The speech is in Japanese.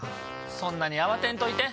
そんなに慌てんといて。